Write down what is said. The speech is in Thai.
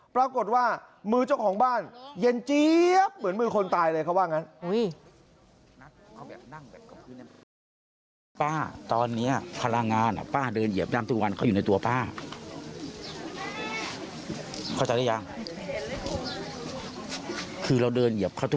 ปรากฏว่ามือเจ้าของบ้านเย็นเจี๊ยบเหมือนมือคนตายเลยเขาว่างั้น